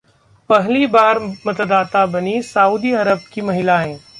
पहली बार मतदाता बनी सऊदी अरब की महिलाएं